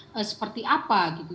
terjadi seperti apa gitu